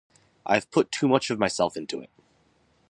I have put too much of myself into it.